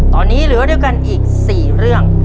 ตอนนี้เหลือเดียวกันอีกสี่เรื่อง